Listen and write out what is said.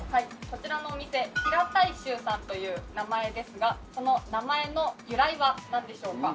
こちらのお店平太周さんという名前ですがこの名前の由来はなんでしょうか？